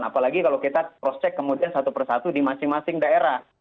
apalagi kalau kita cross check kemudian satu persatu di masing masing daerah